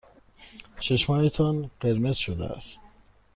چشمهایتان قرمز شده است.